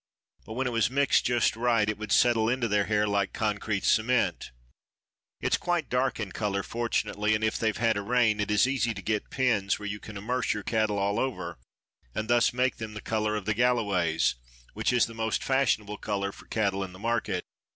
But when it was mixed just right it would settle into their hair like concrete cement. It's quite dark in color, fortunately, and if they've had a rain it is easy to get pens where you can immerse your cattle all over and thus make them the color of the Galloways, which is the most fashionable color for cattle in the market.